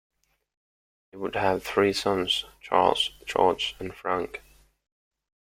They would have three sons, Charles, George and Frank.